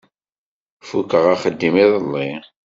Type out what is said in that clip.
Fukkeɣ axeddim iḍelli.